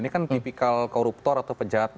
ini kan tipikal koruptor atau pejabat